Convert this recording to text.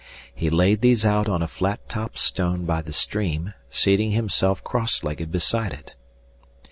He laid these out on a flat topped stone by the stream, seating himself cross legged beside it.